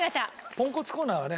ポンコツコーナーはね